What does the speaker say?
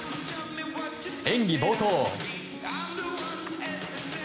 演技冒頭。